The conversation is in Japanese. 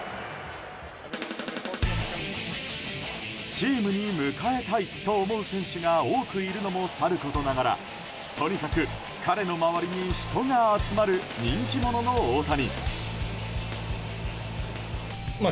チームに迎えたいと思う選手が多くいるのもさることながらとにかく彼の周りに人が集まる人気者の大谷。